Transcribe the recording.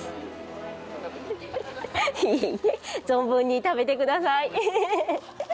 アハハハ存分に食べてください。